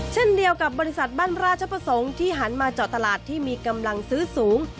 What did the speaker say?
เช่นเดียวกับบริษัทบ้านราชประสงค์ที่หันมาเจาะตลาดที่มีกำลังซื้อสูง